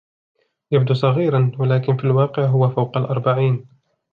يبدو صغيراً ، ولكن في الواقع هو فوقَ الأربعين.